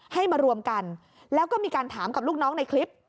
ให้มารวมกันแล้วก็มีการถามกับลูกน้องในคลิป